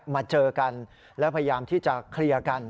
มาเจอกันแล้วพยายามที่จะเคลียร์กัน